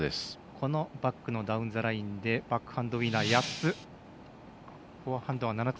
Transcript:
このバックのダウンザラインでバックハンドウィナー８つ。